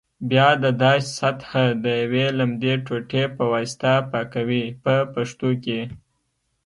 بیا د داش سطحه د یوې لمدې ټوټې په واسطه پاکوي په پښتو کې.